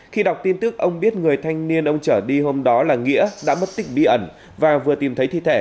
khi đọc tin tức ông biết người thanh niên ông trở đi hôm đó là nghĩa đã mất tích bí ẩn và vừa tìm thấy thi thể